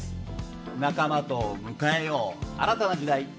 仲間と迎えよう新たな時代！